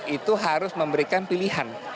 itu harus memberikan pilihan